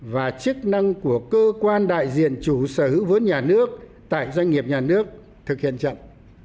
và chức năng của cơ quan đại diện chủ sở hữu vốn nhà nước tại doanh nghiệp nhà nước thực hiện chậm